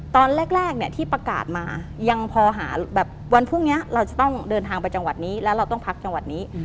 ตอนแรกเนี่ยที่ประกาศมายังพอหาแบบวันพรุ่งนี้เราจะต้องเดินทางไปจังหวัดนี้แล้วเราต้องพักจังหวัดนี้